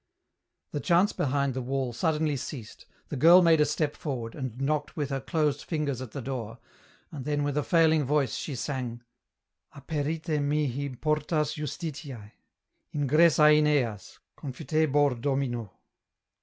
The. chants behind the wall suddenly ceased, the girl made a step forward, and knocked with her closed fingers at the door, and then with a failing voice she sang, —" Aperite mihi portas justitiae : Ingressa in eas, confitebor Domino."